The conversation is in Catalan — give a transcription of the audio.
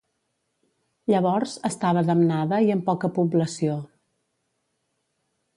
Llavors estava damnada i amb poca població.